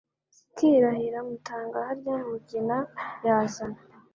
Zikirahira Mutaga harya Mugina yazana